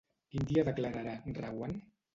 Quin dia declararà Reguant?